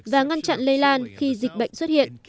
và ngăn chặn lây lan khi dịch bệnh xuất hiện